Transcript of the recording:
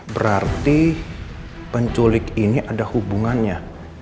berarti penculik ini ada hubungannya